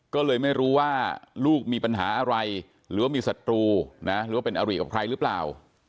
ก็เลยไม่รู้ว่าลูกมีปัญหาอะไรหรือว่ามีศัตรูนะหรือว่าเป็นอริกับใครหรือเปล่า